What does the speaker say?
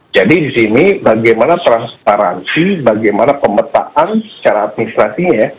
jadi di sini bagaimana transparansi bagaimana pemetaan secara administrasinya